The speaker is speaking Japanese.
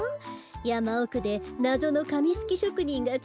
やまおくでなぞのかみすきしょくにんがつくっているらしいわ。